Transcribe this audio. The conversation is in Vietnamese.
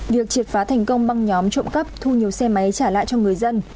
việc triệt phá thành công băng nhóm trộm cắp thu nhiều xe máy trả lại cho người dân